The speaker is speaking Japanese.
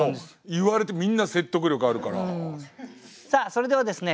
それではですね